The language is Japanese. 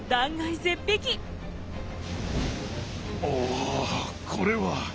おこれは。